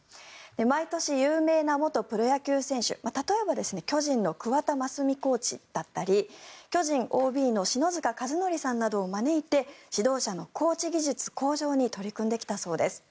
毎年、有名な元プロ野球選手例えば巨人の桑田真澄コーチだったり巨人ＯＢの篠塚和典さんなどを招いて指導者のコーチ技術向上に取り組んできたそうです。